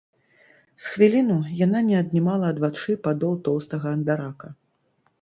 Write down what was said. З хвіліну яна не аднімала ад вачэй падол тоўстага андарака.